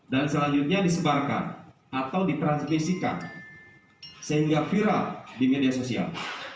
dan selanjutnya disebarkan atau di transmisikan sehingga viral di media sosial